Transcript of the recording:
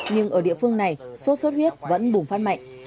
nhưng ở địa phương này xuất xuất huyết vẫn bùng phát mạnh